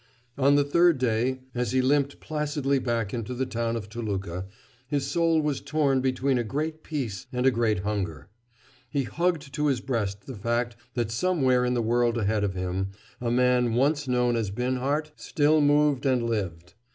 On the third day, as he limped placidly back into the town of Toluca, his soul was torn between a great peace and a great hunger. He hugged to his breast the fact that somewhere in the world ahead of him a man once known as Binhart still moved and lived.